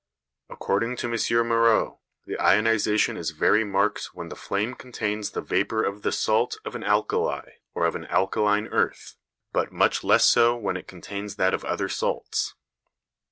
According to M. Moreau, the ionisation is very marked when the flame contains the vapour of the salt of an alkali or of an alkaline earth, but much less so when it contains that of other salts.